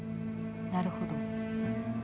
なるほど。